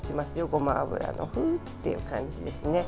ごま油の、ふっという感じですね。